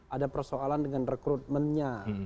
ada persoalan dengan rekrutmennya